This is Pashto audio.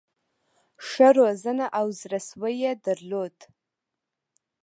ښه روزنه او زړه سوی یې درلود.